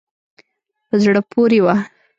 په زړه پورې وه.